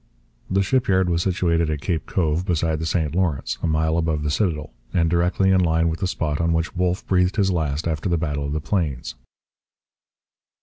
The shipyard was situated at Cape Cove beside the St Lawrence, a mile above the citadel, and directly in line with the spot on which Wolfe breathed his last after the Battle of the Plains.